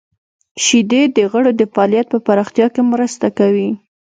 • شیدې د غړو د فعالیت په پراختیا کې مرسته کوي.